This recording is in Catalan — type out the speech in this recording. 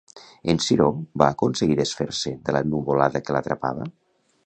En Ciró va aconseguir desfer-se de la nuvolada que l'atrapava?